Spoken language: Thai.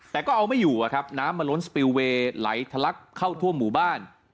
แต่ก็เอาไม่อยู่อะครับน้ำมาล้นสปิลเวย์ไหลทะลักเข้าทั่วหมู่บ้าน